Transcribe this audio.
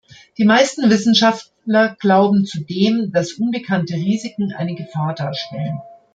Die meisten Wissenschaftler glauben zudem, dass unbekannte Risiken eine Gefahr darstellen.